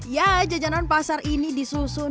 ya jajanan pasar ini disusun